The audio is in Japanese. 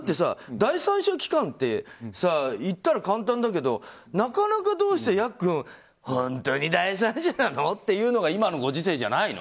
第三者機関っていったら簡単だけどなかなかどうして、ヤックン本当に第三者なのっていうのが今のご時世じゃないの？